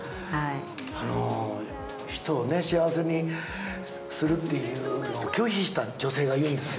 あの、人を幸せにするっていうのを拒否した女性が言うんですよ。